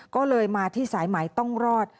ก็เลยมาที่สายหมายต้องรอด